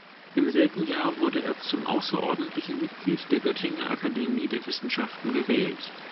Im selben Jahr wurde er zum außerordentlichen Mitglied der Göttinger Akademie der Wissenschaften gewählt.